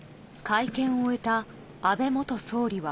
会見を終えた安倍元総理は。